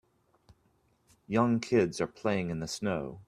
Young kids are playing in the snow.